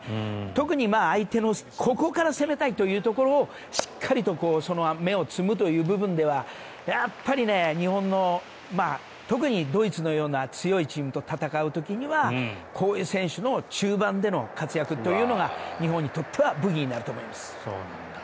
特に相手のここから攻めたいというところをしっかりと芽を摘むという点ではやっぱり日本の特にドイツのような強いチームと戦う時にはこういう選手の中盤での活躍というのが日本にとっては武器になると思います。